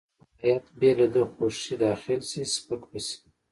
که هیات بې له ده خوښې داخل شي سپک به شي.